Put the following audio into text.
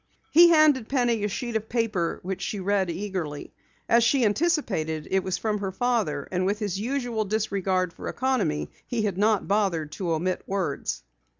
He handed Penny a sheet of paper which she read eagerly. As she anticipated, it was from her father, and with his usual disregard for economy he had not bothered to omit words.